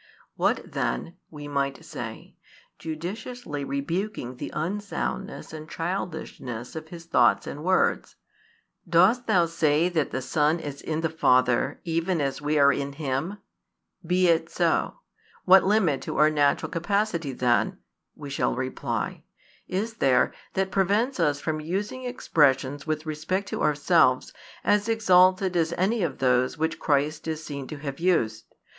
"What then," we might say, judiciously rebuking the unsoundness and childishness of his thoughts and words, "dost thou say that the Son is in the Father even as we are in Him? Be it so. What limit to our natural capacity then," we shall reply, "is there, that prevents us from using expressions with respect to ourselves as exalted as any of those which Christ is seen to have used?